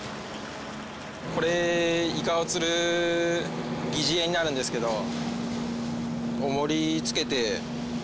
これイカを釣る疑似餌になるんですけど重りつけて。